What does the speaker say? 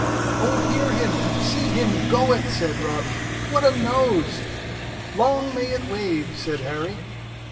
"Oh, hear him! See him go it!" said Robbie. "What a nose!" "Long may it wave!" said Harry.